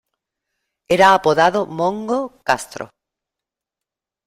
Era apodado "Mongo" Castro.